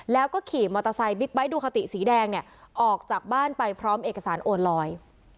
แล้วก็ขี่มอเตอร์ไซค์บิ๊กไบท์ดูคาติสีแดงเนี่ยออกจากบ้านไปพร้อมเอกสารโอนลอย